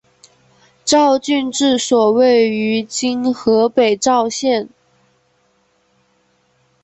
赵郡治所位于今河北赵县。